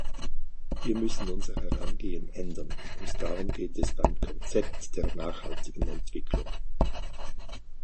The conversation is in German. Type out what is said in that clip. Wir müssen unser Herangehen ändern, und darum geht es beim Konzept der nachhaltigen Entwicklung.